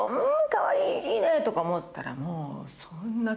「いいね！」とか思ってたらもう。